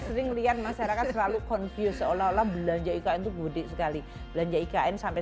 sering lihat masyarakat selalu konfusio la la belanja itu untuk mudik sekali belanja ikn sampai